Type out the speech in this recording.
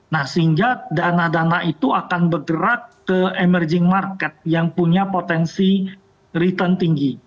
nah sehingga dana dana itu akan bergerak ke emerging market yang punya potensi return tinggi